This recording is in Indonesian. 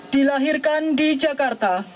dilahirkan di jakarta